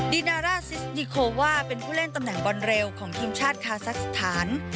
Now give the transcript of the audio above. ดีนาร่าซิสนิโคว่าเป็นผู้เล่นตำแหน่งบอลเร็วของทีมชาติคาซักสถาน